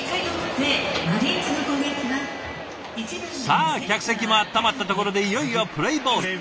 さあ客席も温まったところでいよいよプレーボール。